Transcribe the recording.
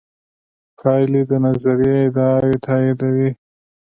پایلې د نظریې ادعاوې تاییدوي.